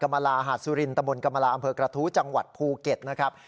อำเภิกระทู้จังหวัดภูเก็ตนะครับ